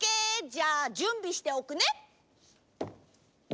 じゃあじゅんびしておくね。